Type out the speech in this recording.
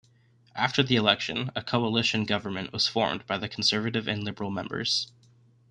After the election, a Coalition government was formed by the Conservative and Liberal members.